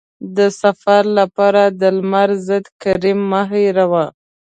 د سفر لپاره د لمر ضد کریم مه هېروه.